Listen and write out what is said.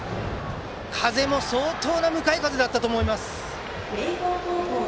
風も相当な向かい風だったと思います。